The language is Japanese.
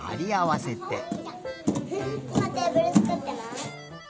いまテーブルつくってます。